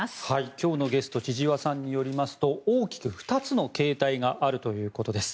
今日のゲスト千々和さんによりますと大きく２つの形態があるということです。